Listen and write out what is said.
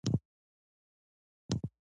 هغه هغې ته د پاک سرود ګلان ډالۍ هم کړل.